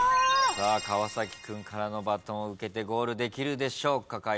川君からのバトンを受けてゴールできるでしょうか。